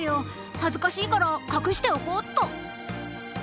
恥ずかしいから隠しておこうっと。